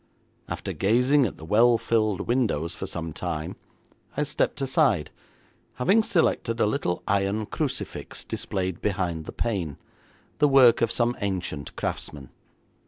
After gazing at the well filled windows for some time, I stepped aside, having selected a little iron crucifix displayed behind the pane; the work of some ancient craftsman.